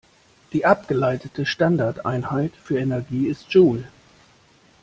Die abgeleitete Standardeinheit für Energie ist Joule.